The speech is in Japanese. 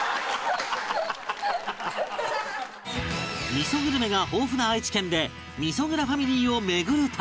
味噌グルメが豊富な愛知県で味噌蔵ファミリーを巡る旅